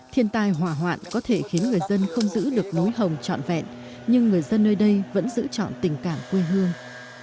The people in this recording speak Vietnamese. thiên tai hỏa hoạn có thể khiến người dân không giữ được nối hồng trọn vẹn nhưng người dân nơi đây vẫn giữ trọn tình cảm quê hương